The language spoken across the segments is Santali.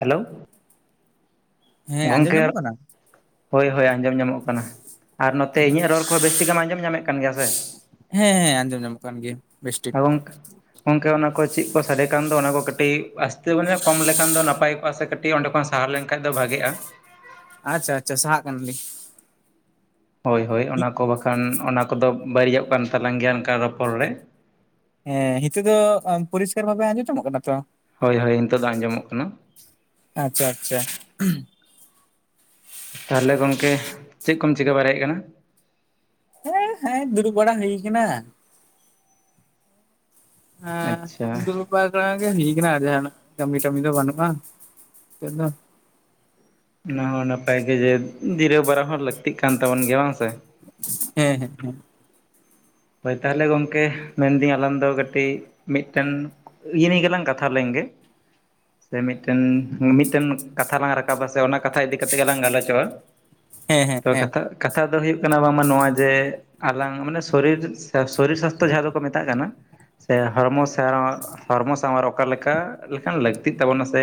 ᱦᱮᱞᱳ ᱦᱮᱸ [inaudible] ᱟᱸᱡᱚᱢ ᱜᱚᱝᱠᱮ ᱧᱟᱢᱚᱜ ᱠᱟᱱᱟ ᱾ ᱦᱳᱭ ᱦᱳᱭ ᱟᱸᱡᱚᱢ ᱧᱟᱢᱚᱜ ᱠᱟᱱᱟ ᱾ ᱟᱨ ᱱᱚᱛᱮ ᱤᱧᱟᱹᱜ ᱨᱚᱲ ᱠᱚᱦᱚᱸ ᱵᱮᱥ ᱴᱷᱤᱠᱮᱢ ᱟᱸᱡᱚᱢ ᱧᱟᱢᱮᱫ ᱠᱟᱱ ᱜᱮᱭᱟ ᱥᱮ? ᱦᱮᱸ ᱦᱮᱸ ᱟᱸᱡᱚᱢ ᱧᱟᱢᱚᱜ ᱠᱟᱱ ᱜᱮᱭᱟ ᱵᱮᱥ ᱴᱷᱤᱠ ᱾ ᱜᱚᱝ ᱜᱚᱝᱠᱮ ᱚᱱᱟ ᱠᱚ ᱪᱮᱫ ᱠᱚ ᱥᱟᱰᱮ ᱠᱟᱱ ᱫᱚ ᱚᱱᱟ ᱠᱚ ᱠᱟᱹᱴᱤᱡ ᱟᱥᱛᱮ ᱢᱟᱱᱮ ᱠᱚᱢ ᱞᱮᱠᱷᱟᱱ ᱫᱚ ᱱᱟᱯ ᱱᱟᱯᱟᱭ ᱠᱚᱜᱼᱟ ᱥᱮ ᱠᱟᱹᱴᱤᱡ ᱚᱸᱰᱮ ᱠᱷᱚᱱ ᱥᱟᱦᱟ ᱞᱮᱱᱠᱷᱟᱡ ᱫᱚ ᱵᱷᱟᱜᱤᱜᱼᱟ ᱾ ᱟᱪᱪᱷᱟ ᱟᱪᱪᱷᱟ ᱥᱟᱦᱟᱜ ᱠᱟᱱᱟᱞᱤᱧ᱾ ᱦᱳᱭ ᱦᱳᱭ ᱚᱱᱟᱠᱚ ᱵᱟᱠᱷᱟᱱ ᱚᱱᱟ ᱠᱚᱫᱚ ᱵᱟᱹᱲᱤᱡᱚᱜ ᱠᱟᱱ ᱛᱟᱞᱟᱝ ᱜᱤᱭᱟ ᱚᱱᱠᱟ ᱨᱚᱯᱚᱲ ᱨᱮ ᱦᱮᱸ ᱦᱤᱛᱚᱜ ᱫᱚ ᱯᱚᱨᱤᱥᱠᱟᱨ ᱵᱷᱟᱵᱮ ᱟᱸᱡᱚᱢ ᱧᱚᱢᱚᱜ ᱠᱟᱱᱟ ᱛᱚ ᱦᱳᱭ ᱦᱳᱭ ᱱᱤᱛᱳᱜ ᱫᱚ ᱟᱸᱡᱚᱢᱚᱜ ᱠᱟᱱᱟ᱾ ᱟᱪᱪᱷᱟ ᱟᱪᱪᱷᱟ ᱛᱟᱦᱞᱮ ᱜᱚᱢᱠᱮ ᱪᱮᱫ ᱠᱚᱢ ᱪᱤᱠᱟᱹ ᱵᱟᱨᱟᱭᱮᱫ ᱠᱟᱱᱟ ᱦᱮᱸ ᱦᱮᱸ ᱫᱩᱲᱩᱵ ᱵᱟᱲᱟ ᱦᱩᱭ ᱠᱟᱱᱟ᱾ ᱟᱪᱪᱷᱟ ᱮ ᱫᱩᱲᱩᱵ [unintelligible] ᱜᱮ ᱦᱤᱡ ᱠᱟᱱᱟ ᱠᱟᱹᱢᱤ ᱴᱟᱢᱤ ᱫᱚ ᱵᱟᱹᱱᱩᱜ-ᱟ [unintelligible] ᱚᱱᱟ ᱦᱚᱸ ᱱᱟᱯᱟᱭ ᱜᱮ ᱡᱮ ᱡᱤᱨᱟᱹᱣ ᱵᱟᱨᱟ ᱦᱚᱸ ᱞᱟᱹᱠᱛᱤᱜ ᱠᱟᱱ ᱛᱟᱵᱚᱱ ᱜᱮᱭᱟ ᱵᱟᱝ ᱥᱮ ᱦᱮᱸ ᱦᱮᱸ ᱦᱳᱭ ᱛᱟᱦᱚᱞᱮ ᱜᱚᱢᱠᱮ ᱢᱮᱱᱫᱤᱧ ᱟᱞᱟᱝ ᱫᱚ ᱠᱟᱹᱴᱤᱡ ᱢᱤᱫᱴᱟᱝ ᱤᱭᱟᱹ ᱱᱤᱭᱟᱹ ᱜᱮᱞᱟᱝ ᱠᱟᱛᱷᱟ ᱞᱮᱱ ᱜᱮ ᱥᱮ ᱢᱤᱫᱴᱟᱝ ᱢᱤᱫᱴᱟᱝ ᱠᱟᱛᱷᱟ ᱞᱟᱝ ᱨᱟᱠᱟᱵᱟ ᱥᱮ ᱚᱱᱟ ᱠᱟᱛᱷᱟ ᱤᱫᱤ ᱠᱟᱛᱮᱫ ᱜᱮᱞᱟᱝ ᱜᱟᱞᱚᱪᱚᱜ-ᱟ ᱦᱮᱸ ᱦᱮᱸ ᱦᱮᱸ ᱛᱚ ᱦᱮᱸ ᱠᱟᱛᱷᱟ ᱠᱟᱛᱷᱟ ᱫᱚ ᱦᱩᱭᱩᱜ ᱠᱟᱱᱟ ᱵᱟᱝᱢᱟ ᱱᱚᱣᱟ ᱡᱮ ᱟᱞᱟᱝ ᱢᱟᱱᱮ ᱥᱚᱨᱤᱨ ᱥᱚᱨᱤᱨ ᱥᱟᱥᱛᱷᱚ ᱡᱟᱦᱟᱸ ᱫᱚᱠᱚ ᱢᱮᱛᱟᱜ ᱠᱟᱱᱟ ᱥᱮ ᱦᱚᱲᱢᱚ ᱥᱟᱶ ᱦᱚᱲᱢᱚ ᱥᱟᱶᱟᱨ ᱚᱠᱟ ᱞᱮᱠᱟ ᱞᱮᱠᱟᱱ ᱞᱟᱹᱠᱛᱤᱜ ᱛᱟᱵᱚᱱᱟ ᱥᱮ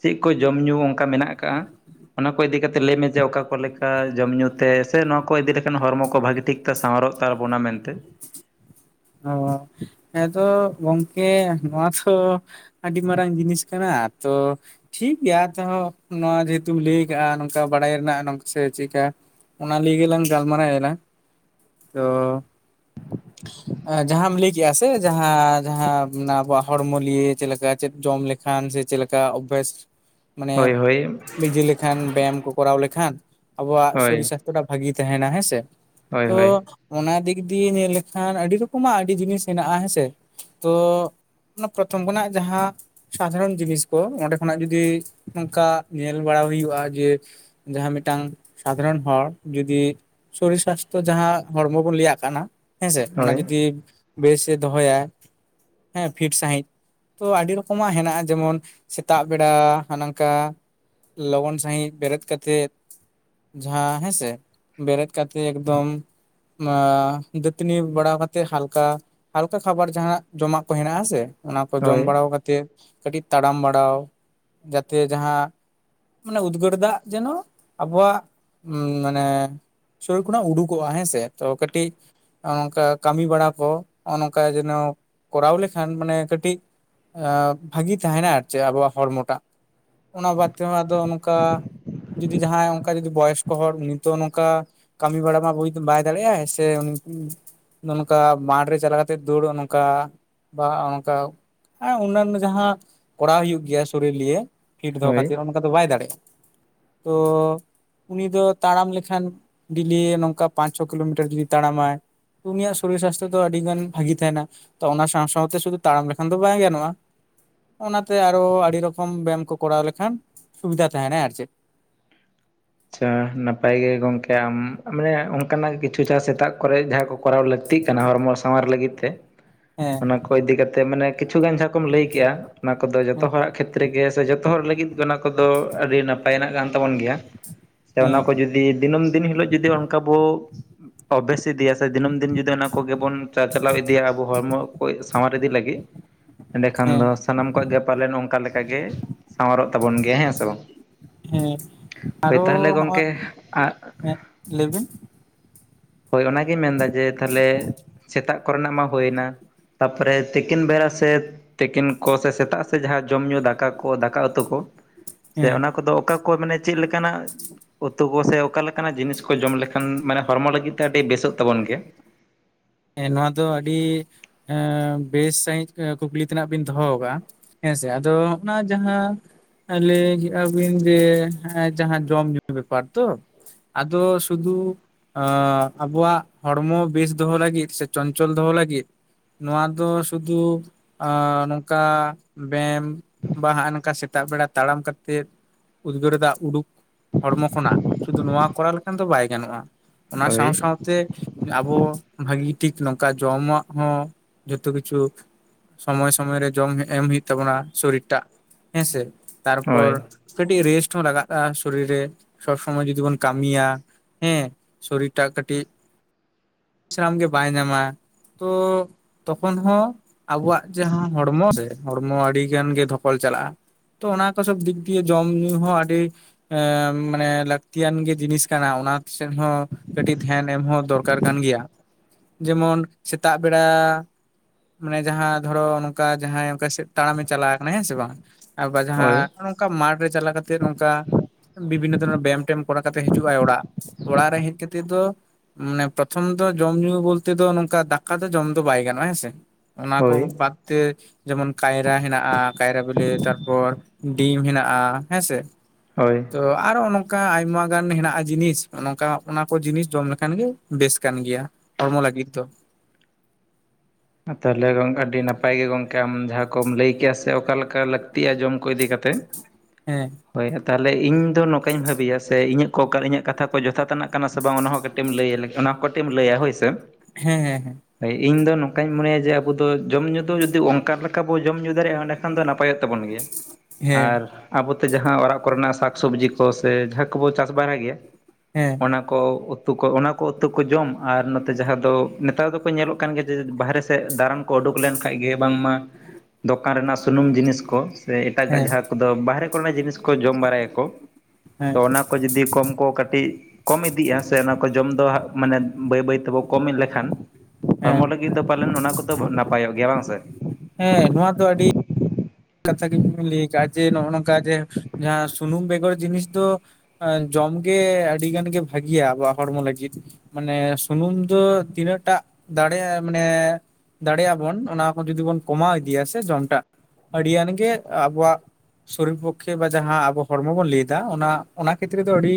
ᱪᱮᱫ ᱠᱚ ᱡᱚᱢ ᱧᱩ ᱚᱱᱠᱟ ᱢᱮᱱᱟᱜ ᱟᱠᱟᱜ-ᱟ ᱚᱱᱟ ᱠᱚ ᱤᱫᱤ ᱠᱟᱛᱮ ᱞᱟᱹᱭᱢᱮ ᱡᱮ ᱚᱠᱟ ᱠᱚ ᱞᱮᱠᱟ ᱡᱚᱢ ᱧᱩ ᱛᱮ ᱥᱮ ᱱᱚᱣᱟ ᱠᱚ ᱤᱫᱤ ᱞᱮᱠᱷᱟᱱ ᱦᱚᱲᱢᱚ ᱠᱚ ᱵᱷᱟᱜᱤ ᱴᱷᱤᱠ ᱛᱮ ᱥᱟᱶᱟᱨᱚᱜ ᱛᱟ ᱵᱚᱱᱟ ᱢᱮᱱᱛᱮ᱾ ᱚᱸ ᱦᱮᱸ ᱛᱚ ᱜᱚᱝᱠᱮ ᱱᱚᱣᱟ ᱛᱚ ᱟᱹᱰᱤ ᱢᱟᱨᱟᱝ ᱡᱤᱱᱤᱥ ᱠᱟᱱᱟ ᱛᱚ ᱴᱷᱤᱠ ᱜᱮᱭᱟ ᱛᱚ ᱱᱚᱣᱟ ᱡᱮᱦᱮᱛᱩᱢ ᱞᱟᱹᱭ ᱠᱟᱜ-ᱟ ᱱᱚᱝᱠᱟ ᱵᱟᱲᱟᱭ ᱨᱮᱱᱟᱜ ᱥᱮ ᱪᱮᱫᱠᱟ ᱚᱱᱟ ᱞᱟᱹᱭ ᱜᱮᱞᱟᱝ ᱜᱟᱞᱢᱟᱨᱟᱣ ᱮᱱᱟ ᱛᱚ ᱡᱟᱦᱟᱸᱢ ᱞᱟᱹᱭ ᱠᱮᱜ-ᱟ ᱥᱮ ᱡᱟᱦᱟᱸ ᱡᱟᱦᱟᱸ ᱟᱵᱚᱣᱟᱜ ᱦᱚᱲᱢᱚ ᱞᱤᱭᱮ ᱪᱮᱫᱠᱟ ᱪᱮᱫ ᱡᱚᱢ ᱞᱮᱠᱟ ᱠᱷᱟᱱ ᱥᱮ ᱪᱮᱫ ᱞᱮᱠᱟ ᱚᱵᱵᱷᱟᱥ [inaudible] ᱢᱟᱱᱮ ᱦᱳᱭ ᱵᱤᱡᱤ ᱞᱮᱠᱷᱟᱱ ᱵᱮᱭᱟᱢ ᱠᱚ ᱠᱚᱨᱟᱣ ᱞᱮᱠᱷᱟᱱ ᱟᱵᱚᱣᱟᱜ ᱥᱚᱨᱤᱨ ᱦᱳᱭ ᱥᱟᱥᱛᱷᱚ ᱛᱚᱲᱟ ᱵᱷᱟᱜᱤ ᱛᱟᱦᱮᱱᱟ ᱦᱮᱸᱥᱮ ᱦᱳᱭ ᱛᱚ ᱦᱳᱭ ᱚᱱᱟ ᱫᱤᱠ ᱫᱤᱭᱮ ᱧᱮᱞ ᱞᱮᱠᱷᱟᱱ ᱟᱹᱰᱤ ᱨᱚᱠᱚᱢ ᱠᱚᱢᱟ ᱟᱹᱰᱤ ᱡᱤᱱᱤᱥ ᱦᱮᱱᱟᱜ-ᱟ ᱦᱮᱸᱥᱮ ᱛᱚ ᱚᱱᱟ ᱯᱨᱚᱛᱷᱚᱢ ᱠᱷᱚᱱᱟᱜ ᱡᱟᱦᱟᱸ ᱥᱟᱫᱷᱟᱨᱚᱱ ᱡᱤᱱᱤᱥ ᱠᱚ ᱚᱸᱰᱮ ᱠᱷᱚᱱᱟᱜ ᱡᱩᱫᱤ ᱱᱚᱱᱠᱟ ᱧᱮᱞ ᱵᱟᱲᱟ ᱦᱩᱭᱩᱜ-ᱟ ᱡᱮ ᱡᱟᱦᱟᱸ ᱢᱤᱫᱴᱟᱝ ᱥᱟᱫᱷᱟᱨᱚᱱ ᱦᱚᱲ ᱡᱩᱫᱤ ᱥᱚᱨᱤᱨ ᱥᱟᱥᱛᱷᱚ ᱡᱟᱦᱟᱸ ᱦᱚᱲᱢᱚ ᱵᱚᱱ ᱞᱟᱹᱭᱟᱜ ᱠᱟᱱᱟ ᱦᱮᱸᱥᱮ ᱚᱱᱟ ᱦᱳᱭ ᱡᱩᱫᱤ ᱵᱮᱥᱮ ᱫᱚᱦᱚᱭᱟ ᱦᱮᱸ ᱯᱷᱤᱴ ᱥᱟᱹᱦᱤᱡ ᱛᱚ ᱟᱹᱰᱤ ᱨᱚᱠᱚᱢᱟᱜ ᱦᱮᱱᱟᱜ-ᱟ ᱡᱮᱢᱚᱱ ᱥᱮᱛᱟᱜ ᱵᱮᱲᱟ ᱦᱟᱱᱟᱝᱠᱟ ᱞᱚᱜᱚᱱ ᱥᱟᱹᱦᱤᱡ ᱵᱮᱨᱮᱫ ᱠᱟᱛᱮᱫ ᱡᱟᱦᱟᱸ ᱦᱮᱸᱥᱮ ᱵᱮᱨᱮᱫ ᱠᱟᱛᱮᱫ ᱮᱠᱫᱚᱢ ᱱᱚᱣᱟ ᱫᱟᱹᱛᱟᱹᱱᱤ ᱵᱟᱲᱟ ᱠᱟᱛᱮ ᱛᱮ ᱦᱟᱞᱠᱟ ᱦᱟᱞᱠᱟ ᱠᱷᱟᱵᱟᱨ ᱡᱟᱦᱟᱸ ᱡᱚᱢᱟᱜ ᱠᱚ ᱦᱮᱱᱟᱜ ᱟᱥᱮ ᱚᱱᱟ ᱠᱚ ᱡᱚᱢ ᱦᱳᱭ ᱵᱟᱲᱟ ᱠᱟᱛᱮ ᱛᱮ ᱠᱟᱹᱴᱤᱡ ᱛᱟᱲᱟᱢ ᱵᱟᱲᱟᱣ ᱡᱟᱛᱮ ᱡᱟᱦᱟᱸ ᱢᱟᱱᱮ ᱩᱫᱽᱜᱟᱹᱨ ᱫᱟᱜ ᱡᱮᱱᱚ ᱟᱵᱚᱣᱟᱜ ᱢᱟᱱᱮ ᱥᱚᱨᱤᱨ ᱠᱷᱚᱱᱟᱜ ᱩᱰᱩᱠᱚᱜ-ᱟ ᱦᱮᱸᱥᱮ ᱛᱚ ᱠᱟᱹᱴᱤᱡ ᱱᱚᱝᱠᱟ ᱠᱟᱹᱢᱤ ᱵᱟᱲᱟ ᱠᱚ ᱚᱱᱠᱟ ᱡᱮᱱᱚ ᱠᱚᱨᱟᱣ ᱞᱮᱠᱷᱟᱱ ᱢᱟᱱᱮ ᱠᱟᱹᱴᱤᱡ ᱵᱷᱟᱹᱜᱤ ᱛᱟᱦᱮᱱᱟ ᱟᱨ ᱪᱮᱫ ᱟᱵᱚᱣᱟᱜ ᱦᱚᱲᱢᱚᱴᱟᱜ ᱚᱱᱟ ᱵᱟᱫ ᱛᱮᱦᱚᱸ ᱟᱫᱚ ᱚᱱᱠᱟ ᱡᱩᱫᱤ ᱡᱟᱦᱟᱸᱭ ᱚᱱᱠᱟ ᱡᱩᱫᱤ ᱵᱚᱭᱚᱥᱠᱚ ᱦᱚᱲ ᱩᱱᱤᱛᱚ ᱱᱚᱝᱠᱟ ᱠᱟᱹᱢᱤ ᱵᱟᱲᱟ ᱢᱟ ᱵᱩᱡ ᱫᱤᱧ ᱵᱟᱭ ᱫᱟᱲᱮᱭᱟᱜᱼᱟ ᱥᱮ ᱱᱚᱱᱠᱟ ᱢᱟᱴᱷᱨᱮ ᱪᱟᱞᱟᱣ ᱠᱟᱛᱮᱜ ᱫᱩᱲᱩᱵ ᱱᱚᱝᱠᱟ ᱵᱟ ᱚᱱᱠᱟ, ᱦᱮᱸ ᱚᱱᱱᱟᱱᱚ ᱡᱟᱦᱟᱸ ᱠᱚᱨᱟᱣ ᱦᱩᱭᱩᱜ ᱜᱮᱭᱟ ᱥᱚᱨᱤᱨ ᱞᱤᱭᱮ ᱯᱷᱤᱴ ᱫᱚᱦᱚ ᱦᱳᱭ ᱠᱷᱟᱹᱛᱤᱨ ᱚᱱᱟ ᱟᱫᱚ ᱫᱚ ᱵᱟᱭ ᱫᱟᱲᱮᱭᱟᱜᱼᱟ ᱛᱚᱻ ᱩᱱᱤ ᱫᱚ ᱛᱟᱲᱟᱢ ᱞᱮᱠᱷᱟᱱ ᱰᱮᱞᱤ ᱱᱚᱝᱠᱟ ᱯᱟᱸᱪ ᱪᱷᱚ ᱠᱤᱞᱳᱢᱤᱴᱟᱨ ᱡᱫᱤᱭ ᱛᱟᱲᱟᱢᱟᱭ ᱩᱱᱤᱭᱟᱜ ᱥᱚᱨᱤᱨ ᱥᱟᱥᱛᱷᱚ ᱫᱚ ᱟᱹᱰᱤ ᱜᱟᱱ ᱵᱷᱟᱜᱤ ᱛᱟᱦᱮᱸᱱᱟ᱾ ᱛᱚ ᱚᱱᱟ ᱥᱟᱶ ᱥᱟᱶᱶᱛᱮ ᱥᱩᱫᱷᱩ ᱛᱟᱲᱟᱢ ᱞᱮᱠᱷᱟᱱ ᱫᱚ ᱵᱟᱭ ᱜᱟᱱᱚᱜᱼᱟ ᱚᱱᱟᱛᱮ ᱟᱨᱚ ᱟᱹᱰᱤ ᱨᱚᱠᱚᱢ ᱵᱮᱭᱟᱢ ᱠᱚ ᱠᱚᱨᱟᱣ ᱞᱮᱠᱷᱟᱱ ᱥᱩᱵᱤᱫᱷᱟ ᱛᱟᱦᱮᱱᱟ᱾ ᱟᱨ ᱪᱮᱫ? ᱟᱪᱪᱷᱟ ᱱᱟᱯᱟᱭ ᱜᱮ ᱜᱚᱝᱠᱮ ᱟᱢ ᱢᱟᱱᱮ ᱚᱱᱠᱟᱱᱟᱜ ᱠᱤᱪᱷᱩ ᱪᱟᱥ ᱥᱮᱛᱟᱜ ᱠᱚᱨᱮ ᱡᱟᱦᱟᱸᱭ ᱠᱚ ᱠᱚᱨᱟᱣ ᱞᱟᱹᱠᱛᱤᱜ ᱠᱟᱱᱟ ᱦᱚᱨᱢᱚ ᱥᱟᱶᱟᱨ ᱞᱟᱹᱜᱤᱫ ᱛᱮ ᱦᱮᱸ, ᱚᱱᱟ ᱠᱚ ᱤᱫᱤ ᱠᱟᱛᱮ ᱢᱟᱱᱮ ᱠᱤᱪᱷᱩ ᱜᱟᱱ ᱡᱟᱦᱟᱸ ᱠᱚᱢ ᱞᱟᱹᱭ ᱠᱮᱜ-ᱟ᱾ ᱚᱱᱟ ᱠᱚᱫᱚ ᱡᱚᱛᱚ ᱦᱮᱸ ᱦᱚᱲᱟᱜ ᱠᱷᱮᱛ ᱠᱷᱮᱛ ᱨᱮᱜᱮ ᱥᱮ ᱡᱚᱛᱚ ᱦᱚᱲ ᱞᱟᱹᱜᱤᱫ ᱜᱮ ᱚᱱᱟ ᱠᱚᱫᱚ ᱟᱹᱰᱤ ᱱᱟᱯᱟᱭᱱᱟᱜ ᱠᱟᱱ ᱛᱟᱵᱚᱱ ᱜᱮᱭᱟ, ᱥᱮ ᱚᱱᱟ ᱦᱮᱸ ᱠᱚ ᱡᱩᱫᱤ ᱫᱤᱱᱟᱹᱢ ᱫᱤᱱ ᱦᱤᱞᱳᱜ ᱡᱩᱫᱤ ᱚᱱᱠᱟ ᱵᱚ ᱚᱵᱷᱮᱥ ᱤᱫᱤᱭᱟ ᱥᱮ ᱫᱤᱱᱟᱹᱢ ᱫᱤᱱ ᱡᱩᱫᱤ ᱚᱱᱟ ᱠᱚᱜᱮᱵᱚᱱ ᱪᱟᱪᱞᱟᱣ ᱤᱫᱤᱭᱟ ᱟᱵᱚ ᱦᱚᱲᱢᱚ ᱠᱚ ᱥᱟᱶᱟᱨ ᱤᱫᱤ ᱞᱟᱹᱜᱤᱫ ᱮᱸᱰᱮᱠᱷᱟᱱ ᱦᱮᱸ ᱫᱚ ᱥᱟᱱᱟᱢ ᱠᱚᱣᱟᱜ ᱜᱮ ᱯᱟᱞᱮᱱ ᱱᱚᱝᱠᱟ ᱞᱮᱠᱟ ᱜᱮ ᱥᱟᱶᱟᱨᱚᱜ ᱛᱟᱵᱚᱱ ᱜᱮᱭᱟ, ᱦᱮᱸ ᱥᱮ ᱵᱟᱝ? ᱦᱮᱸ ᱦᱳᱭ ᱟᱨᱚ ᱛᱟᱦᱚᱞᱮ ᱦᱚᱸᱚᱭ, ᱜᱚᱢᱠᱮ ᱦᱮᱸ ᱞᱟᱹᱭᱵᱤᱱ? ᱦᱳᱭ ᱚᱱᱟᱜᱤᱧ ᱢᱮᱱᱫᱟ ᱡᱮ ᱛᱟᱦᱞᱮ ᱥᱮᱛᱟᱜ ᱠᱚᱨᱮᱱᱟᱜ ᱢᱟ ᱦᱩᱭᱱᱟ, ᱛᱟᱨᱯᱚᱨᱮ ᱛᱤᱠᱤᱱ ᱵᱮᱨᱟ ᱥᱮᱫ, ᱛᱤᱠᱤᱱ ᱠᱚ ᱥᱮ ᱥᱮᱛᱟᱜ ᱥᱮ ᱡᱟᱦᱟᱸ ᱡᱚᱢ ᱧᱩ ᱫᱟᱠᱟ ᱠᱚ, ᱫᱟᱠᱟ ᱩᱛᱩ ᱠᱚ ᱥᱮ ᱦᱮᱸ ᱚᱱᱟ ᱠᱚᱫᱚ ᱚᱠᱟ ᱠᱚ ᱢᱟᱱᱮ ᱪᱮᱫ ᱞᱮᱠᱟᱱᱟᱜ ᱩᱛᱩ ᱠᱚ ᱥᱮ ᱚᱠᱟ ᱞᱮᱠᱟᱱᱟᱜ ᱡᱤᱱᱤᱥ ᱠᱚ ᱡᱚᱢ ᱞᱮᱠᱷᱟᱱ ᱢᱟᱱᱮ ᱦᱚᱲᱢᱚ ᱞᱟᱹᱜᱤᱫ ᱛᱮ ᱟᱹᱰᱤ ᱵᱮᱥᱚᱜ ᱛᱟᱵᱚᱱ ᱜᱮ᱾ ᱦᱮᱸ ᱱᱚᱣᱟ ᱫᱚ ᱟᱹᱰᱤ ᱵᱮᱥ ᱥᱟᱹᱦᱤᱡ ᱠᱩᱠᱞᱤ ᱛᱮᱱᱟᱜ ᱵᱤᱱ ᱫᱚᱦᱚ ᱟᱠᱟᱫᱟ ᱦᱮᱸ ᱥᱮ ᱟᱫᱚ ᱚᱱᱟ ᱡᱟᱦᱟᱸ ᱞᱟᱹᱭ ᱠᱮᱜᱼᱟᱵᱤᱱ ᱡᱮ ᱡᱟᱦᱟᱸ ᱡᱚᱢ ᱧᱩᱩ ᱵᱮᱯᱟᱨ ᱛᱚ ᱟᱫᱚ ᱥᱩᱫᱷᱩ ᱟᱵᱚᱣᱟᱜ ᱦᱚᱲᱢᱚ ᱵᱮᱥ ᱫᱚᱦᱚ ᱞᱟᱹᱜᱤᱫ, ᱥᱮ ᱪᱚᱧᱪᱚᱞ ᱫᱚᱦᱚ ᱞᱟᱹᱜᱤᱫ ᱱᱚᱣᱟ ᱫᱚ ᱥᱩᱫᱩ ᱱᱚᱝᱠᱟ ᱵᱮᱭᱟᱢ, ᱵᱟ ᱦᱟᱸᱜᱼᱟ ᱱᱚᱝᱠᱟ ᱥᱮᱛᱟᱜ ᱵᱮᱲᱟ ᱛᱟᱲᱟᱢ ᱠᱟᱛᱮᱫ ᱩᱫᱽᱜᱟᱹᱨ ᱫᱟᱜ ᱩᱰᱩᱠ ᱦᱚᱲᱢᱚ ᱠᱷᱚᱱᱟᱜ ᱥᱩᱫᱷᱩ ᱱᱚᱣᱟ ᱠᱚᱨᱟᱣ ᱞᱮᱠᱷᱟᱱ ᱫᱚ ᱵᱟᱭ ᱜᱟᱱᱚᱜᱼᱟ, ᱚᱱᱟ ᱦᱳᱭ ᱥᱟᱶ ᱥᱟᱶᱛᱮ ᱟᱵᱚ ᱵᱷᱟᱹᱜᱤ ᱴᱷᱤᱠ ᱱᱚᱝᱠᱟ ᱡᱚᱢᱟᱜ ᱦᱚᱸ ᱡᱷᱚᱛᱚ ᱠᱤᱪᱷᱩ, ᱥᱚᱢᱚᱭ ᱥᱚᱢᱚᱭ ᱨᱮ ᱡᱚᱢ ᱮᱢ ᱦᱩᱭᱩᱜ ᱛᱟᱵᱚᱱᱟ ᱥᱚᱨᱤᱨ ᱴᱟᱜ ᱦᱮᱸᱥᱮ᱾ ᱦᱳᱭ ᱛᱟᱨᱯᱚᱨ ᱠᱟᱹᱴᱤᱡ ᱨᱮᱥᱴ ᱦᱚᱸ ᱞᱟᱜᱟᱜᱼᱟ ᱥᱚᱨᱤᱨ ᱨᱮ ᱥᱚᱵ ᱥᱚᱢᱚᱭ ᱡᱩᱫᱤᱵᱚᱱ ᱠᱟᱹᱢᱤᱭᱟ, ᱦᱮᱸ ᱥᱚᱨᱤᱨᱴᱟᱜ ᱠᱟᱹᱴᱤᱡ ᱥᱟᱱᱟᱢ ᱜᱮ ᱵᱟᱭ ᱧᱟᱢᱟ ᱛᱚ ᱛᱚᱠᱷᱚᱱ ᱦᱚᱸ ᱟᱵᱚᱣᱟᱜ ᱡᱟᱦᱟᱸ ᱦᱚᱲᱢᱚ ᱨᱮ ᱦᱚᱲᱢᱚ ᱟᱹᱰᱤ ᱜᱟᱱ ᱜᱮ ᱫᱷᱚᱠᱚᱞ ᱪᱟᱞᱟᱜᱼᱟ ᱛᱚ ᱚᱱᱟ ᱠᱚ ᱥᱚᱵ ᱫᱤᱠ ᱫᱤᱭᱮ ᱡᱚᱢ ᱧᱩ ᱦᱚᱸ ᱟᱹᱰᱤ ᱮᱸ ᱢᱟᱱᱮ ᱞᱟᱹᱠᱛᱤᱭᱟᱱ ᱜᱮ ᱡᱤᱱᱤᱥ ᱠᱟᱱᱟ ᱚᱱᱟ ᱥᱮᱫ ᱦᱚᱸ ᱠᱟᱹᱴᱤᱡ ᱫᱷᱮᱭᱟᱱ ᱮᱢ ᱦᱚᱸ ᱫᱚᱨᱠᱟᱨ ᱠᱟᱱ ᱜᱮᱭᱟ᱾ ᱡᱮᱢᱚᱱ ᱥᱮᱛᱟᱜ ᱵᱮᱲᱟ ᱢᱟᱱᱮ ᱡᱟᱦᱟᱸ ᱫᱷᱚᱨᱚ ᱱᱚᱝᱠᱟ ᱡᱟᱦᱟᱸᱭ ᱚᱱᱠᱟ ᱛᱟᱲᱟᱢᱮ ᱪᱟᱞᱟᱣ ᱟᱠᱟᱱᱟ, ᱦᱮᱸ ᱥᱮ ᱵᱟᱝ? ᱟᱵᱟᱨ ᱡᱟᱦᱟᱸ ᱦᱳᱭ ᱱᱚᱝᱠᱟ ᱢᱟᱴᱷ ᱨᱮ ᱪᱟᱞᱟᱣ ᱠᱟᱛᱮᱫ ᱱᱚᱝᱠᱟ ᱵᱤᱵᱷᱤᱱᱱᱚ ᱫᱷᱚᱨᱚᱱ ᱵᱮᱭᱟᱢ ᱴᱮᱭᱟᱢ ᱠᱚᱨᱟᱣ ᱠᱟᱛᱮ ᱦᱤᱡᱩᱜ ᱟᱭ ᱚᱲᱟᱜ, ᱚᱲᱟᱜ ᱨᱮ ᱦᱮᱡ ᱠᱟᱛᱮᱫ ᱫᱚ ᱢᱟᱱᱮ ᱯᱨᱚᱛᱷᱚᱢ ᱛᱚ ᱡᱚᱢ ᱧᱩ ᱵᱳᱞᱛᱮ ᱫᱚ ᱱᱚᱝᱠᱟ ᱫᱟᱠᱟ ᱫᱚ ᱡᱚᱢ ᱫᱚ ᱵᱟᱭ ᱜᱟᱱᱚᱜᱼᱟ ᱦᱮᱸᱥᱮ, ᱚᱱᱟ ᱠᱚ ᱦᱳᱭ ᱵᱟᱫ ᱛᱮ ᱡᱮᱢᱚᱱ ᱠᱟᱭᱨᱟ ᱦᱮᱱᱟᱜᱼᱟ, ᱠᱟᱭᱨᱟ ᱵᱤᱞᱤ ᱛᱟᱨᱯᱚᱨ ᱰᱤᱢ ᱦᱮᱱᱟᱜᱼᱟ, ᱦᱮᱸ ᱥᱮ ᱦᱳᱭ᱾ ᱛᱚ ᱟᱨᱚ ᱱᱚᱝᱠᱟ ᱟᱭᱢᱟ ᱜᱟᱱ ᱦᱮᱱᱟᱜ-ᱟ ᱡᱤᱱᱤᱥ ᱱᱚᱝᱠᱟ ᱚᱱᱟ ᱠᱚ ᱡᱤᱱᱤᱥ ᱡᱚᱢ ᱞᱮᱠᱷᱟᱱ ᱜᱮ ᱵᱮᱥ ᱠᱟᱱ ᱜᱮᱭᱟ ᱦᱚᱲᱢᱚ ᱞᱟᱹᱜᱤᱫ ᱫᱚ᱾ ᱛᱟᱦᱚᱞᱮ ᱜᱚᱝᱠᱮ ᱟᱹᱰᱤ ᱱᱟᱯᱟᱭ ᱜᱮ ᱜᱚᱝᱠᱮ ᱟᱢ ᱡᱟᱦᱟᱸ ᱠᱚᱢ ᱞᱟᱹᱭ ᱠᱮᱭᱟ ᱥᱮ ᱚᱠᱟ ᱞᱮᱠᱟ ᱞᱟᱠᱛᱤᱭᱟ ᱡᱚᱢ ᱠᱚ ᱤᱫᱤ ᱠᱟᱛᱮ ᱦᱮᱸ ᱦᱳᱭ ᱛᱟᱦᱚᱞᱮ ᱤᱧ ᱫᱚ ᱱᱚᱝᱠᱟᱧ ᱵᱷᱟᱹᱵᱤᱭᱟ ᱥᱮ ᱤᱧᱟᱹᱜ ᱠᱚ ᱤᱧᱟᱹᱜ ᱠᱟᱛᱷᱟ ᱠᱚ ᱡᱚᱛᱷᱟᱛᱱᱟᱜ ᱠᱟᱱᱟ ᱥᱮ ᱵᱟᱝ ᱚᱱᱟ ᱦᱚᱸ ᱠᱟᱹᱴᱤᱡ ᱮᱢ ᱞᱟᱹᱭᱟ ᱚᱱᱟ ᱦᱚᱸ ᱠᱟᱹᱴᱤᱡ ᱮᱢ ᱞᱟᱹᱭᱟ ᱦᱳᱭ ᱥᱮ᱾ ᱦᱮᱸ ᱦᱮᱸ ᱦᱮᱸ᱾ ᱦᱳᱭ ᱤᱧ ᱫᱚ ᱱᱚᱝ ᱠᱟᱧ ᱢᱚᱱᱮᱭᱟ ᱡᱮ ᱟᱵᱚ ᱫᱚ ᱡᱚᱢ ᱧᱩ ᱫᱚ ᱡᱩᱫᱤ ᱚᱱᱠᱟ ᱞᱮᱠᱟ ᱵᱚ ᱡᱚᱢ ᱧᱩ ᱫᱟᱲᱮᱭᱟᱜ-ᱟ ᱮᱸᱰᱮᱠᱷᱟᱱ ᱫᱚ ᱱᱟᱯᱟᱭ-ᱚᱜ ᱛᱟᱵᱚᱱ ᱜᱮᱭᱟ᱾ ᱦᱮᱸ ᱟᱨ ᱟᱵᱚ ᱛᱮ ᱡᱟᱦᱟᱸ ᱚᱲᱟᱜ ᱠᱚᱨᱮᱱᱟᱜ ᱥᱟᱠ-ᱥᱚᱵᱡᱤ ᱠᱚ ᱥᱮ ᱡᱟᱦᱟᱸ ᱠᱚᱵᱚ ᱪᱟᱥ ᱵᱟᱲᱟᱭ ᱜᱮᱭᱟ, ᱦᱮᱸ᱾ ᱚᱱᱟ ᱠᱚ ᱩᱛᱩ ᱠᱚ ᱚᱱᱟ ᱠᱚ ᱩᱛᱩ ᱠᱚ ᱡᱚᱢ ᱟᱨ ᱱᱚᱛᱮ ᱡᱟᱦᱟᱸ ᱫᱚ ᱱᱮᱛᱟᱨ ᱫᱚᱠᱚ ᱧᱮᱞᱚᱜ ᱠᱟᱱ ᱜᱮᱭᱟ ᱡᱮ ᱵᱟᱦᱨᱮ ᱥᱮᱫ ᱫᱟᱲᱟᱱ ᱠᱚ ᱩᱰᱩᱠ ᱞᱮᱱ ᱠᱷᱟᱡ ᱜᱮ ᱵᱟᱝᱢᱟ ᱫᱚᱠᱟᱱ ᱨᱮᱱᱟᱜ ᱥᱩᱱᱩᱢ ᱡᱤᱱᱤᱥ ᱠᱚ ᱥᱮ ᱮᱴᱟᱜᱟᱜ ᱦᱮᱸ ᱡᱟᱦᱟᱸ ᱠᱚᱫᱚ ᱵᱟᱦᱨᱮ ᱠᱚᱨᱮᱱᱟᱜ ᱡᱤᱱᱤᱥ ᱠᱚ ᱡᱚᱢ ᱵᱟᱲᱟᱭᱟ ᱠᱚ, ᱦᱮᱸ᱾ ᱛᱚ ᱚᱱᱟ ᱠᱚ ᱡᱩᱫᱤ ᱠᱚᱢ ᱠᱚ ᱠᱟᱹᱴᱤᱡ ᱠᱚᱢ ᱤᱫᱤᱜ-ᱟ ᱥᱮ ᱚᱱᱟ ᱠᱚ ᱡᱚᱢ ᱫᱚ ᱦᱟᱸᱜ ᱢᱟᱱᱮ ᱵᱟᱹᱭ ᱵᱟᱹᱭ ᱛᱮᱵᱚᱱ ᱠᱚᱢ ᱞᱮᱠᱷᱟᱱ ᱦᱮᱸ ᱦᱚᱲᱢᱚ ᱞᱟᱹᱜᱤᱫ ᱫᱚ ᱯᱟᱞᱮᱱ ᱚᱱᱟ ᱠᱚᱫᱚ ᱱᱟᱯᱟᱭᱚᱜ ᱜᱮᱭᱟ ᱵᱟᱝ ᱥᱮ? ᱦᱮᱸ ᱱᱚᱣᱟ ᱫᱚ ᱟᱹᱰᱤ ᱠᱟᱛᱷᱟ ᱜᱮᱵᱤᱱ ᱞᱟᱹᱭ ᱠᱟᱜ ᱡᱮ ᱱᱚᱜ-ᱚ ᱱᱚᱝᱠᱟ ᱡᱮ ᱡᱟᱦᱟᱸ ᱥᱩᱱᱩᱢ ᱵᱮᱜᱚᱨ ᱡᱤᱱᱤᱥ ᱫᱚ ᱡᱚᱢ ᱜᱮ ᱟᱹᱰᱤ ᱜᱟᱱ ᱜᱮ ᱵᱷᱟᱜᱤᱭᱟ ᱟᱵᱚᱣᱟᱜ ᱦᱚᱲᱢᱚ ᱞᱟᱹᱜᱤᱫ᱾ ᱢᱟᱱᱮ ᱥᱩᱱᱩᱢ ᱫᱚ ᱛᱤᱱᱟᱹᱜ ᱴᱟᱜ ᱫᱟᱲᱮᱭᱟᱜᱼᱟ ᱢᱟᱱᱮ ᱫᱟᱲᱮᱭᱟᱜ ᱟᱵᱚᱱ ᱚᱱᱟ ᱠᱚ ᱡᱩᱫᱤ ᱵᱚᱱ ᱠᱚᱢᱟᱣ ᱤᱫᱤᱭᱟ ᱥᱮ ᱡᱚᱢᱴᱟᱜ ᱟᱹᱰᱤᱭᱟᱱ ᱜᱮ ᱟᱵᱚᱣᱟᱜ ᱥᱚᱨᱤᱨ ᱯᱚᱠᱠᱷᱮ ᱵᱟ ᱡᱟᱦᱟᱸ ᱟᱵᱚ ᱦᱚᱲᱢᱚ ᱵᱚᱱ ᱞᱟᱹᱭ ᱫᱟ, ᱚᱱᱟ ᱚᱱᱟ ᱠᱷᱮᱛᱨᱮ ᱫᱚ ᱟᱹᱰᱤ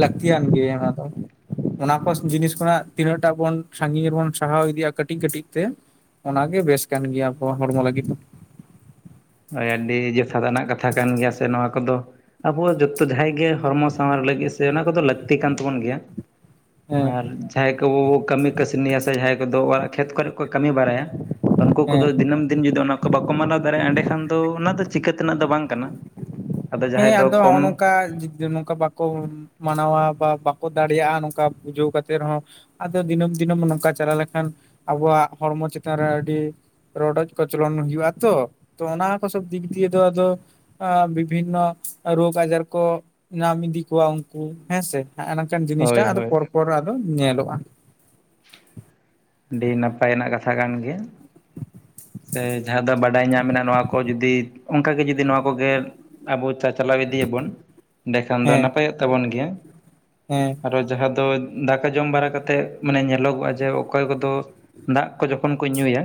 ᱞᱟᱹᱠᱛᱤᱭᱟᱱ ᱜᱮ ᱚᱱᱟ ᱫᱚ᱾ ᱚᱱᱟ ᱠᱚ ᱡᱤᱱᱤᱥ ᱠᱷᱚᱱᱟᱜ ᱛᱤᱱᱟᱹᱜ ᱴᱟ ᱵᱚᱱ ᱥᱟᱺᱜᱤᱧ ᱨᱮᱵᱚᱱ ᱥᱟᱦᱟᱣ ᱤᱫᱤᱭᱟ ᱠᱟᱹᱴᱤᱡ ᱠᱟᱹᱴᱤᱡ ᱛᱮ, ᱚᱱᱟᱜᱮ ᱵᱮᱥ ᱠᱟᱱ ᱜᱮᱭᱟ ᱟᱵᱚᱣᱟᱜ ᱦᱚᱲᱢᱚ ᱞᱟᱹᱜᱤᱫ᱾ ᱦᱳᱭ ᱟᱹᱰᱤ ᱡᱚᱛᱷᱟᱛ ᱟᱱᱟᱜ ᱠᱟᱛᱷᱟ ᱠᱟᱱ ᱜᱮᱭᱟ, ᱥᱮ ᱱᱚᱣᱟ ᱠᱚᱫᱚ ᱟᱵᱚᱣᱟᱜ ᱡᱚ ᱛᱚ ᱡᱟᱦᱟᱸᱭ ᱜᱮ ᱦᱚᱲᱢᱚ ᱥᱟᱶᱟᱨ ᱞᱟᱹᱜᱤᱫ ᱥᱮ ᱚᱱᱟ ᱠᱚᱫᱚ ᱞᱟᱹᱠᱛᱤ ᱠᱟᱱ ᱛᱟᱵᱚᱱ ᱜᱮᱭᱟ, ᱦᱮᱸ ᱟᱨ ᱡᱟᱸᱦᱟᱭ ᱠᱚᱵᱚ ᱵᱚ ᱠᱟᱹᱢᱤ ᱠᱟᱹᱥᱱᱤᱭᱟ ᱥᱮ ᱡᱟᱦᱟᱸᱭ ᱠᱚᱫᱳ ᱚᱲᱟᱜ ᱠᱷᱮᱛ ᱠᱚᱨᱮ ᱠᱚ ᱠᱟᱹᱢᱤ ᱵᱟᱲᱟᱭᱟ ᱩᱝᱠᱩ ᱦᱮᱸ ᱠᱚᱫᱚ ᱫᱤᱱᱟᱹᱢ ᱫᱤᱱ ᱡᱩᱫᱤ ᱚᱱᱟ ᱠᱚ ᱵᱟᱠᱚ ᱢᱟᱱᱟᱣ ᱫᱟᱲᱮᱭᱟᱜᱼᱟ ᱚᱸᱰᱮᱸ ᱠᱷᱟᱱ ᱫᱚ ᱚᱱᱟ ᱫᱚ ᱪᱤᱠᱟᱹ ᱛᱮᱱᱟᱜ ᱫᱚ ᱵᱟᱝ ᱠᱟᱱᱟ᱾ ᱦᱮᱸ ᱡᱟᱦᱟᱸᱭ ᱫᱚ ᱟᱫᱚ ᱦᱚᱸᱜ-ᱚ ᱠᱚᱢ ᱱᱚᱝᱠᱟ ᱡᱤᱛ ᱱᱚᱝᱠᱟ ᱵᱟ ᱠᱚ ᱢᱟᱱᱟᱣᱟ ᱵᱟ ᱵᱟᱠᱚ ᱫᱟᱲᱮᱭᱟᱜᱼᱟ ᱱᱚᱝᱠᱟ ᱵᱩᱡᱷᱟᱹᱣ ᱠᱟᱛᱮ ᱨᱮᱦᱚᱸ ᱟᱫᱚ ᱫᱤᱱᱟᱹᱢ ᱫᱤᱱᱟᱹᱢ ᱱᱚᱝᱠᱟ ᱪᱟᱞᱟᱣ ᱞᱮᱠᱷᱟᱱ ᱟᱵᱚᱣᱟᱜ ᱦᱚᱲᱢᱚ ᱪᱮᱛᱟᱱ ᱨᱮ ᱟᱹᱰᱤ ᱨᱚᱰᱚᱡ ᱠᱚᱪᱞᱚᱱ ᱦᱩᱭᱩᱜᱼᱟ ᱛᱚ, ᱛᱚ ᱚᱱᱟ ᱠᱚ ᱥᱚᱵ ᱫᱤᱠ ᱫᱤᱭᱮ ᱫᱚ ᱟᱫᱚ ᱟᱸ ᱢᱤᱫ ᱢᱟ ᱨᱳᱜᱽ ᱟᱡᱟᱨ ᱠᱚ ᱧᱟᱢ ᱤᱫᱤ ᱠᱚᱣᱟᱢ ᱩᱝᱠᱩ ᱦᱮᱸᱥᱮ? ᱦᱟᱸᱜ ᱱᱟᱝᱠᱟᱱ ᱡᱤᱱᱤᱥᱴᱟᱜ ᱦᱳᱭ ᱟᱫᱚ ᱦᱳᱭ ᱯᱚᱨ ᱯᱚᱨ ᱟᱫᱚ ᱧᱮᱞᱚᱜᱼᱟ᱾ ᱟᱹᱰᱤ ᱱᱟᱯᱟᱭ ᱱᱟᱜ ᱠᱟᱛᱷᱟ ᱠᱟᱱ ᱜᱮᱭᱟ᱾ ᱥᱮ ᱡᱟᱦᱟᱸ ᱫᱚ ᱵᱟᱰᱟᱭ ᱧᱟᱢᱱᱟ ᱱᱚᱣᱟ ᱠᱚ ᱡᱩᱫᱤ ᱚᱱᱠᱟᱜᱮ ᱡᱩᱫᱤ ᱱᱚᱣᱟ ᱠᱚᱜᱮ ᱟᱵᱚ ᱪᱟ-ᱪᱟᱞᱟᱣ ᱤᱫᱤᱭᱟ ᱵᱚᱱ ᱮᱸᱰᱮᱠᱷᱟᱱ ᱫᱚ ᱦᱮᱸ ᱱᱟᱯᱟᱭᱼᱚᱜ ᱛᱟᱵᱚᱱ ᱜᱮᱭᱟ᱾ ᱦᱮᱸ᱾ ᱟᱨᱚ ᱡᱟᱦᱟᱸ ᱫᱚ ᱫᱟᱠᱟ ᱡᱚᱢ ᱵᱟᱲᱟ ᱠᱟᱛᱮ ᱢᱟᱱᱮ ᱧᱮᱞᱚᱜᱚᱜᱼᱟ ᱡᱮ ᱚᱠᱚᱭ ᱠᱚᱫᱚ ᱫᱟᱜ ᱠᱚ ᱡᱚᱠᱷᱚᱱ ᱠᱚ ᱧᱩᱭᱟ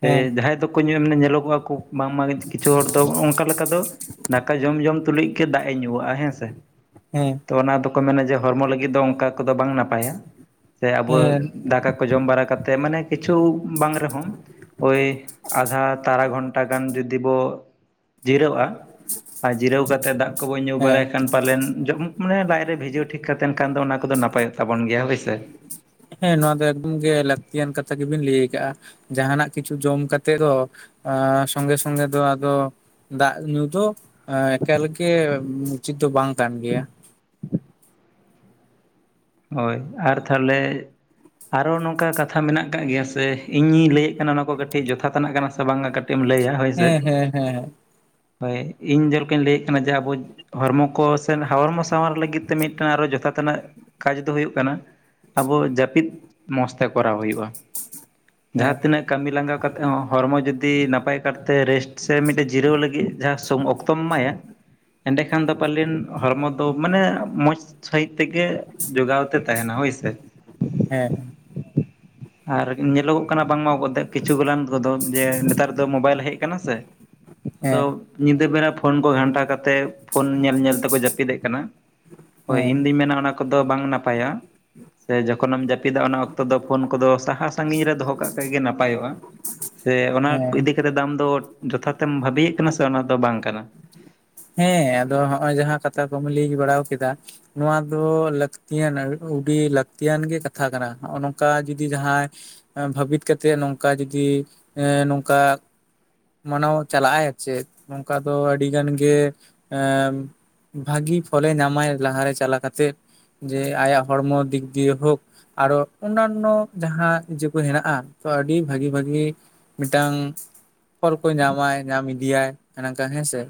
ᱥᱮ ᱦᱮᱸ ᱡᱟᱦᱟᱸᱭ ᱫᱚ ᱧᱩ ᱧᱮᱞᱚᱜᱚᱜ-ᱟ ᱠᱚ ᱵᱟᱝᱢᱟ ᱠᱤᱪᱷᱩ ᱦᱚᱲ ᱫᱚ ᱚᱱᱠᱟ ᱞᱮᱠᱟ ᱫᱚ ᱫᱟᱠᱟ ᱡᱚᱢ ᱡᱚᱢ ᱛᱩᱞᱩᱡ ᱜᱮ ᱫᱟᱜ ᱮ ᱧᱩᱣᱟᱜ-ᱟ ᱦᱮᱸ ᱥᱮ ᱦᱮᱸ ᱛᱚ ᱚᱱᱟ ᱫᱚᱠᱚ ᱢᱮᱱᱟ ᱡᱮ ᱦᱚᱲᱢᱚ ᱞᱟᱹᱜᱤᱫ ᱫᱚ ᱚᱱᱠᱟ ᱠᱚᱫᱚ ᱵᱟᱝ ᱱᱟᱯᱟᱭᱟ ᱥᱮ ᱟᱵᱚ ᱦᱮᱸ ᱫᱟᱠᱟ ᱠᱚ ᱡᱚᱢ ᱵᱟᱲᱟ ᱠᱟᱛᱮᱫ ᱢᱟᱱᱮ ᱠᱤᱪᱷᱩ ᱵᱟᱝ ᱨᱮᱦᱚᱸ ᱳᱭ ᱟᱫᱷᱟ ᱛᱟᱨᱟ ᱜᱷᱚᱱᱴᱟ ᱜᱟᱱ ᱡᱩᱫᱤ ᱵᱚ ᱡᱤᱨᱟᱹᱜ-ᱟ, ᱟᱨ ᱡᱤᱨᱟᱹᱣ ᱠᱟᱛᱮ ᱫᱟᱜ ᱠᱚᱵᱚ ᱧᱩ ᱦᱮᱸ ᱵᱟᱲᱟᱭ ᱠᱷᱟᱱ ᱯᱟᱞᱮᱱ ᱡᱚᱢ ᱢᱟᱱᱮ ᱞᱟᱡ ᱨᱮ ᱵᱷᱤᱡᱟᱹᱣ ᱴᱷᱤᱠ ᱠᱟᱛᱮᱱ ᱠᱷᱟᱱ ᱫᱚ ᱚᱱᱟ ᱠᱚᱫᱚ ᱱᱟᱯᱟᱭᱚᱜ ᱛᱟᱵᱚᱱ ᱜᱮᱭᱟ ᱦᱳᱭᱥᱮ᱾ ᱦᱮᱸ ᱱᱚᱣᱟ ᱫᱚ ᱮᱠᱫᱚᱢ ᱜᱮ ᱞᱟᱹᱠᱛᱤᱭᱟᱱ ᱠᱟᱛᱷᱟ ᱜᱮᱵᱤᱱ ᱞᱟᱹᱭ ᱟᱠᱟᱜᱼᱟ᱾ ᱡᱟᱦᱟᱸᱱᱟᱜ ᱠᱤᱪᱷᱩ ᱡᱚᱢ ᱠᱟᱛᱮᱜ ᱫᱚ ᱟ ᱥᱚᱸᱜᱮ ᱥᱚᱸᱜᱮ ᱫᱚ ᱟᱫᱚ ᱫᱟᱜ ᱧᱩ ᱫᱚ ᱮᱠᱟᱞᱜᱮ ᱩᱪᱤᱛᱚ ᱵᱟᱝ ᱠᱟᱱ ᱜᱮᱭᱟ᱾ ᱦᱳᱭ ᱟᱨ ᱛᱟᱦᱞᱮ ᱟᱨᱚ ᱱᱚᱝᱠᱟ ᱠᱟᱛᱷᱟ ᱢᱮᱱᱟᱜ ᱠᱟᱜ ᱜᱮᱭᱟ ᱥᱮ ᱤᱧᱤᱧ ᱞᱟᱹᱭᱮᱜ ᱠᱟᱱᱟ ᱚᱱᱟ ᱠᱚ ᱠᱟᱹᱴᱤᱡ ᱡᱚᱛᱷᱟᱛᱱᱟᱜ ᱠᱟᱱᱟ ᱥᱮ ᱵᱟᱝᱼᱟ? ᱠᱟᱹᱴᱤᱜ ᱮᱢ ᱞᱟᱹᱭᱟ ᱦᱳᱭ ᱥᱮ ᱦᱮᱸ ᱦᱮᱸ ᱦᱮᱸ ᱦᱳᱭ ᱤᱧ ᱡᱮᱞᱠᱟ ᱞᱟᱹᱭᱮᱫ ᱠᱟᱱᱟ ᱡᱮ ᱟᱵᱚ ᱦᱨᱲᱢᱚ ᱠᱚ ᱥᱮ ᱦᱚᱨᱢᱚ ᱥᱟᱶᱟᱨ ᱞᱟᱹᱜᱤᱫ ᱛᱮ ᱢᱤᱫᱴᱮᱱ ᱟᱨᱚ ᱡᱚᱛᱷᱟ ᱛᱮᱱᱟᱜᱹ ᱠᱟᱡᱽ ᱫᱚ ᱦᱩᱭᱩᱜ ᱠᱟᱱᱟ ᱟᱵᱚ ᱡᱟᱹᱯᱤᱫ ᱢᱚᱸᱡᱽ ᱛᱮ ᱠᱚᱨᱟᱣ ᱦᱩᱭᱩᱜᱼᱟ᱾ ᱡᱟᱦᱟ ᱦᱮᱸ ᱛᱤᱱᱟᱹᱜ ᱠᱟᱹᱢᱤ ᱞᱟᱸᱜᱟ ᱠᱟᱛᱮ ᱦᱚᱸ ᱦᱚᱲᱢᱚ ᱡᱩᱫᱤ ᱱᱟᱯᱟᱭ ᱠᱟᱨᱛᱮ ᱨᱮᱥᱴ ᱥᱮ ᱢᱤᱫᱴᱮᱡ ᱡᱤᱨᱟᱹᱣ ᱞᱟᱹᱜᱤᱫ ᱡᱟᱦᱟᱸ ᱥᱚᱸᱼᱚᱠ ᱛᱚᱢ ᱢᱟᱭᱟ ᱮᱸᱰᱮᱠᱷᱟᱱ ᱫᱚ ᱯᱟᱞᱮᱱ ᱦᱚᱲᱢᱚ ᱫᱚ ᱢᱟᱱᱮ ᱢᱚᱡᱽ ᱥᱟᱺᱦᱤᱡ ᱛᱮᱜᱮ ᱡᱚᱜᱟᱣ ᱛᱮ ᱛᱟᱦᱮᱱᱟ ᱦᱳᱭ ᱥᱮ? ᱦᱮᱸ ᱟᱨ ᱧᱮᱞᱚᱜᱚᱜ ᱠᱟᱱᱟ ᱵᱟᱝᱢᱟ ᱜᱚᱫ ᱠᱤᱪᱷᱩ ᱜᱚᱞᱟᱱ ᱠᱚᱫᱚ ᱡᱮ ᱱᱮᱛᱟᱨ ᱫᱚ ᱢᱳᱵᱟᱭᱤᱞ ᱦᱮᱜ ᱠᱟᱱᱟ ᱥᱮ ᱟᱫᱚ ᱧᱤᱫᱟᱹ ᱵᱮᱲᱟ ᱯᱷᱚᱱ ᱠᱚ ᱜᱷᱟᱱᱴᱟ ᱠᱟᱛᱮᱫ ᱯᱷᱳᱱ ᱧᱮᱞ ᱧᱮᱞ ᱛᱮᱠᱚ ᱡᱟᱹᱯᱤᱫᱮᱜ ᱠᱟᱱᱟ᱾ ᱦᱳᱭ ᱦᱮᱸ ᱤᱧ ᱫᱩᱧ ᱢᱮᱱᱟ ᱚᱱᱟ ᱠᱚᱫᱚ ᱵᱟᱝ ᱱᱟᱯᱟᱭᱟ ᱥᱮ ᱡᱚᱠᱷᱚᱱᱮᱢ ᱡᱟᱹᱯᱤᱫᱟ ᱚᱱᱟ ᱚᱠᱛᱚ ᱫᱚ ᱯᱷᱚᱱ ᱠᱚᱫᱚ ᱥᱟᱦᱟ ᱥᱟᱺᱜᱤᱧ ᱨᱮ ᱫᱚᱦᱚ ᱠᱟᱜ ᱠᱷᱟᱡ ᱜᱮ ᱱᱟᱯᱟᱭᱚᱜᱼᱟ ᱥᱮ ᱚᱱᱚ ᱦᱮᱸ ᱤᱫᱤ ᱨᱮ ᱫᱟᱢ ᱫᱚ ᱡᱚᱛᱷᱟᱛᱮᱢ ᱵᱷᱟᱹᱵᱤᱭᱮᱫ ᱠᱟᱱᱟ ᱥᱮ ᱚᱱᱟ ᱫᱚ ᱵᱟᱝ ᱠᱟᱱᱟ? ᱦᱮᱸ ᱟᱫᱚ ᱦᱚᱸᱜᱼᱚᱭ ᱡᱟᱦᱟᱸ ᱠᱟᱛᱷᱟ ᱠᱚᱢ ᱞᱟᱹᱭ ᱵᱟᱲᱟ ᱠᱮᱫᱟ᱾ ᱱᱚᱣᱟ ᱫᱚ ᱞᱟᱹᱠᱛᱤᱭᱟᱱ ᱩᱹᱰᱤ ᱞᱟᱹᱠᱛᱤᱭᱟᱱ ᱜᱮ ᱠᱟᱛᱷᱟ ᱠᱟᱱᱟ ᱱᱚᱜᱼᱚ ᱱᱚᱝᱠᱟ ᱡᱚᱫᱤ ᱡᱟᱦᱟᱸᱭ ᱵᱷᱟᱹᱵᱤᱛ ᱠᱟᱛᱮᱜ ᱱᱚᱝᱠᱟ ᱡᱩᱚᱫᱤ ᱮ ᱱᱚᱝᱠᱟ ᱢᱟᱱᱟᱣ ᱪᱟᱞᱟᱜᱟᱭ ᱟᱨ ᱪᱮᱫ ᱱᱚᱝᱠᱟ ᱫᱚ ᱟᱹᱰᱤ ᱜᱟᱱ ᱜᱮ ᱮᱸ ᱵᱷᱟᱹᱜᱤ ᱯᱷᱚᱞᱮ ᱧᱟᱢᱟᱭ ᱞᱟᱦᱟᱨᱮ ᱪᱟᱞᱟ ᱠᱟᱛᱮᱫ ᱡᱮ ᱟᱭᱟᱜ ᱦᱚᱲᱢᱚ ᱫᱤᱠ ᱫᱤᱭᱮ ᱦᱳᱠ ᱟᱨᱚ ᱚᱱᱱᱟᱱᱚ ᱡᱟᱦᱟᱸ ᱤᱡᱟᱹ ᱠᱚ ᱦᱮᱱᱟᱜᱼᱟ ᱛᱚ ᱟᱹᱰᱤ ᱵᱷᱟᱹᱜᱤ ᱵᱷᱟᱹᱜᱤ ᱢᱤᱫᱴᱟᱹᱝ ᱯᱷᱚᱞ ᱠᱚ ᱧᱟᱢᱟᱭ ᱧᱟᱢ ᱤᱫᱤᱭᱟᱭ ᱱᱟᱝᱠᱟ ᱦᱮᱸᱥᱮ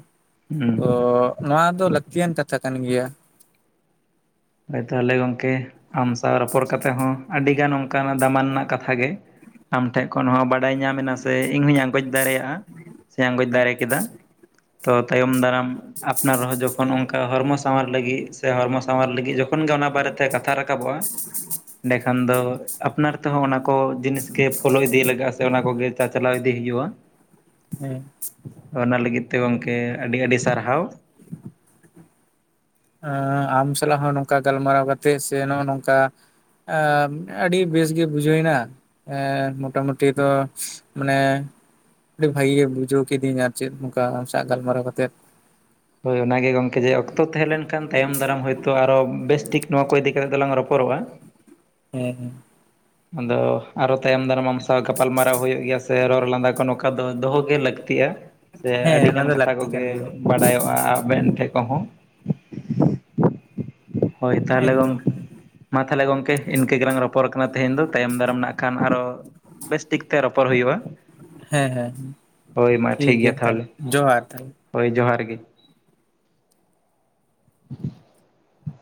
ᱦᱩᱸ ᱛᱚ ᱱᱚᱶᱟ ᱫᱚ ᱞᱟᱹᱠᱛᱤᱭᱟᱱ ᱠᱟᱛᱷᱟ ᱠᱟᱱ ᱜᱮᱭᱟ᱾ ᱦᱚᱭᱛᱟᱦᱚᱞᱮ ᱜᱚᱝᱠᱮ ᱟᱢ ᱥᱟᱣ ᱨᱚᱯᱚᱲ ᱠᱟᱛᱮᱫ ᱦᱚᱸ ᱟᱹᱰᱤᱜᱟᱱ ᱚᱱᱠᱟᱱᱟᱜ ᱫᱟᱢᱟᱱᱟᱜ ᱠᱟᱛᱷᱟ ᱜᱮ ᱟᱢᱴᱷᱮᱜ ᱠᱷᱚᱱ ᱦᱚᱸ ᱵᱟᱰᱟᱭ ᱧᱟᱢ ᱢᱮᱱᱟ ᱥᱮ ᱤᱧ ᱦᱚᱧ ᱟᱸᱜᱚᱪ ᱫᱟᱲᱮᱭᱟᱜᱼᱟ ᱥᱮᱧ ᱟᱸᱜᱚᱪ ᱦᱮᱸ ᱫᱟᱲᱮ ᱠᱮᱫᱟ᱾ ᱛᱚ ᱛᱟᱭᱚᱢ ᱫᱟᱨᱟᱢ ᱟᱯᱱᱟᱨᱦᱚ ᱡᱚᱠᱷᱚᱱ ᱚᱱᱠᱟ ᱦᱚᱨᱢᱚ ᱥᱟᱶᱟᱨ ᱞᱟᱹᱜᱤᱜ ᱥᱮ ᱦᱚᱨᱢᱚ ᱥᱟᱶᱟᱨ ᱞᱟᱹᱜ ᱡᱚᱠᱷᱚᱱ ᱜᱮ ᱚᱱᱟ ᱵᱟᱨᱮᱛᱮ ᱠᱟᱛᱷᱟ ᱨᱟᱠᱟᱵᱚᱜᱼᱟ ᱮᱸᱰᱮᱠᱷᱟᱱ ᱫᱚ ᱟᱯᱱᱟᱨ ᱛᱮᱦᱚᱸ ᱚᱱᱟ ᱠᱚ ᱡᱤᱱᱤᱥ ᱜᱮ ᱯᱷᱚᱞᱳ ᱤᱫᱤ ᱞᱟᱜᱟᱜᱼᱟ ᱥᱮ ᱚᱱᱟ ᱠᱚᱜᱮ ᱪᱟ ᱪᱟᱞᱟᱣ ᱤᱫᱤ ᱦᱩᱭᱩᱜᱼᱟ᱾ ᱦᱮᱸ ᱚᱱᱟ ᱞᱟᱹᱜᱤᱫ ᱛᱮ ᱜᱚᱝᱠᱮ ᱟᱹᱰᱤ ᱟᱹᱰᱤ ᱥᱟᱨᱦᱟᱣ᱾ ᱟᱸ ᱟᱢ ᱥᱟᱞᱟᱜ ᱦᱚᱸ ᱱᱚᱝᱠᱟ ᱜᱟᱞᱢᱟᱨᱟᱣ ᱠᱟᱛᱮᱜ ᱥᱮ ᱱᱚᱜᱼᱚ ᱱᱚᱝᱠᱟ ᱟᱻᱟᱹᱰᱤ ᱵᱮᱥ ᱜᱮ ᱵᱩᱡᱷᱟᱹᱣᱮᱱᱟ᱾ ᱮᱸ ᱢᱳᱚᱴᱟ ᱢᱩᱴᱤ ᱫᱚ ᱢᱟᱱᱮ ᱟᱹᱰᱤ ᱵᱷᱟᱜᱤ ᱜᱮ ᱵᱩᱡᱷᱟᱹᱣ ᱠᱤᱫᱤᱧ ᱟᱨ ᱪᱮᱫ ᱱᱚᱝᱼᱠᱟ ᱟᱢ ᱥᱟᱜ ᱜᱟᱞᱢᱟᱨᱟᱣ ᱠᱟᱛᱮᱫ ᱦᱳᱭ ᱚᱱᱟᱜ ᱜᱮ ᱜᱚᱝᱠᱮ ᱡᱮ ᱚᱠᱛᱚ ᱛᱟᱦᱮᱸ ᱞᱮᱱ ᱠᱷᱟᱱ ᱛᱟᱭᱚᱢ ᱫᱟᱨᱟᱢ ᱦᱚᱭᱛᱚ ᱟᱨᱚ ᱵᱮᱥᱴᱷᱤᱠ ᱱᱚᱣᱟ ᱠᱚ ᱤᱫᱤ ᱠᱟᱛᱮᱫ ᱫᱚᱞᱟᱝ ᱨᱚᱯᱚᱨᱚᱜᱼᱟ᱾ ᱦᱮᱸ ᱟᱫᱚ ᱟᱨᱚ ᱛᱟᱭᱚᱢ ᱫᱟᱨᱟᱢᱟᱢ ᱥᱟᱶ ᱜᱟᱯᱟᱞᱢᱟᱨᱟᱣ ᱦᱩᱭᱩᱜ ᱜᱮᱭᱟ ᱥᱮ ᱨᱚᱨ ᱞᱟᱸᱫᱟ ᱠᱚ ᱱᱚᱝᱠᱟ ᱫᱚ ᱫᱚᱦᱚᱜ ᱜᱮ ᱞᱟᱹᱠᱛᱤᱜᱼᱟ᱾ ᱥᱮ ᱦᱮᱸ ᱟᱹᱰᱤᱜᱟᱱ ᱚᱱᱟ ᱫᱚ ᱠᱟᱛᱷᱟ ᱞᱟᱹᱠᱛᱤ ᱠᱟᱱ ᱠᱚᱜᱮ ᱜᱮᱭᱟ ᱵᱟᱰᱟᱭᱚᱜᱼᱟ ᱟᱵᱮᱱ ᱴᱷᱮᱜ ᱠᱚᱦᱚᱸ ᱦᱚᱭ ᱛᱟᱦᱚᱞᱮ ᱜᱚᱝᱼᱼ ᱮᱠᱫᱚᱢ ᱢᱟ ᱛᱟᱦᱚᱞᱮ ᱜᱚᱝᱠᱮ ᱤᱱᱠᱟᱹ ᱜᱮᱞᱟᱝ ᱨᱚᱯᱚᱨ ᱠᱟᱱᱟ ᱛᱮᱦᱮᱧ ᱫᱚ ᱛᱟᱭᱚᱢ ᱫᱟᱨᱟᱢ ᱱᱟᱜ ᱠᱷᱟᱱ ᱟᱨᱚᱼᱼ ᱵᱮᱥ ᱴᱤᱠ ᱛᱮ ᱨᱚᱯᱚᱨ ᱦᱩᱭᱩᱜᱼᱟ᱾ ᱦᱮᱸ ᱦᱮᱸ ᱦᱳᱭ ᱢᱟ ᱴᱷᱤᱠ ᱜᱮᱭᱟ ᱛᱟᱞᱦᱮ ᱛᱟᱦᱚᱞᱮ ᱡᱚᱦᱟᱨ ᱛᱟᱞᱮ ᱦᱳᱭ ᱡᱚᱦᱟᱨ ᱜᱮ